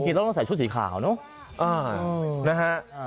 จริงต้องใส่ชุดสีขาวเนอะ